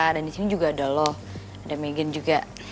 dan disini juga ada lo ada megan juga